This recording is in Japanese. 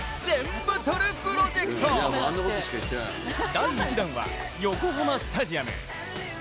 第１弾は横浜スタジアム。